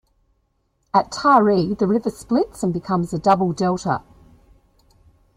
At Taree, the river splits and becomes a double delta.